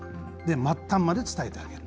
末端まで伝えてあげる。